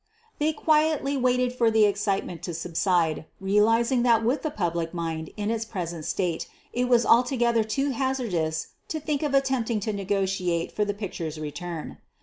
They quietly waited for the excitement to subside, realizing that with the public mind in its present state it was altogether too hazardous to think of attempting to negotiate for the picture's return.